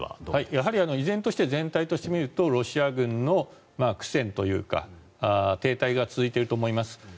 やはり依然として全体として見るとロシア軍の苦戦というか停滞が続いていると思います。